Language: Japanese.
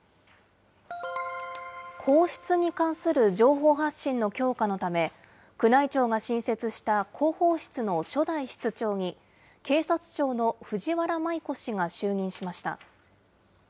皇室に関する情報発信の強化のため、宮内庁が新設した広報室の初代室長に、警察庁の藤原麻衣子氏が就任しました。